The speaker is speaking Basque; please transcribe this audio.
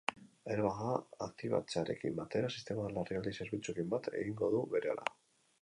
Airbaga aktibatzearekin batera, sistemak larrialdi zerbitzuekin bat egingo du berehala.